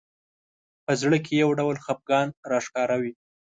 په زړه کې یو ډول خفګان راښکاره وي